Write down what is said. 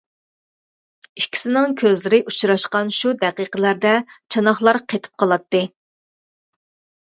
ئىككىسىنىڭ كۆزلىرى ئۇچراشقان شۇ دەقىقىلەردە چاناقلار قېتىپ قالاتتى.